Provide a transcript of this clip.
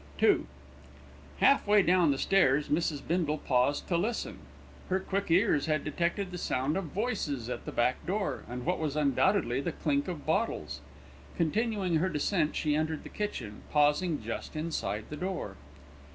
II Half way down the stairs, Mrs. Bindle paused to listen. Her quick ears had detected the sound of voices at the back door, and what was undoubtedly the clink of bottles. Continuing her descent, she entered the kitchen, pausing just inside the door.